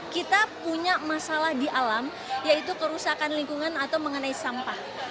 kita punya masalah di alam yaitu kerusakan lingkungan atau mengenai sampah